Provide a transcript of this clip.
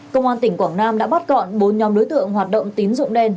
công an tỉnh quảng nam đã bắt gọn bốn nhóm đối tượng hoạt động tín dụng đen